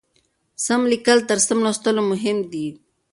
سم لیکل تر سم لوستلو مهم دي.